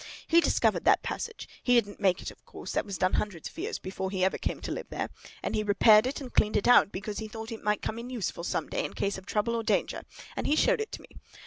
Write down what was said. He discovered that passage—he didn't make it, of course; that was done hundreds of years before he ever came to live there—and he repaired it and cleaned it out, because he thought it might come in useful some day, in case of trouble or danger; and he showed it to me.